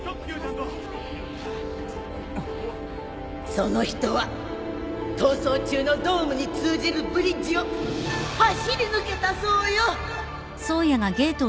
その人は逃走中のドームに通じるブリッジを走り抜けたそうよ！